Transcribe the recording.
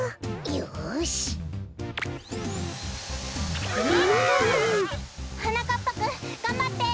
よし！はなかっぱくんがんばって！